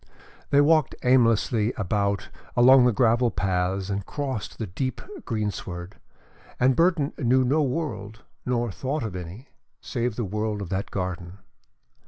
They walked aimlessly about along the gravel paths and across the deep greensward, and Burton knew no world, nor thought of any, save the world of that garden.